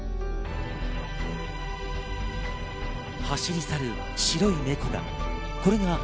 走り去る白い猫が。